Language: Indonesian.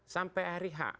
sampai hari hak